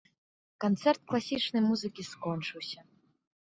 Канцэрт класічнай музыкі скончыўся.